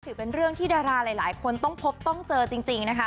ถือเป็นเรื่องที่ดาราหลายคนต้องพบต้องเจอจริงนะคะ